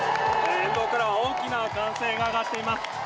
沿道からは大きな歓声が上がっています。